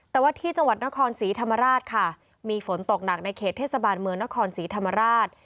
แต่ว่าที่จังหวัดนครศรีธรรมราชค่ะมีฝนตกหนักในเขตเทศบาลเมืองนครศรีธรรมราช